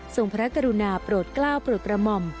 พระกรุณาโปรดกล้าวโปรดกระหม่อม